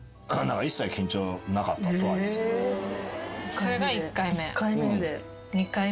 それが１回目？